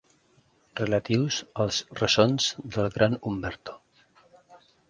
Relatius als ressons del gran Umberto.